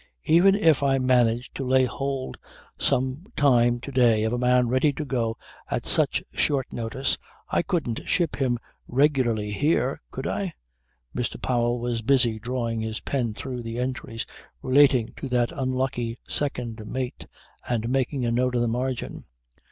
"Even if I managed to lay hold some time to day of a man ready to go at such short notice I couldn't ship him regularly here could I?" "Mr. Powell was busy drawing his pen through the entries relating to that unlucky second mate and making a note in the margin.